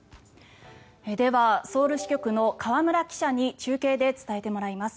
ではソウル支局の河村記者に中継で伝えてもらいます。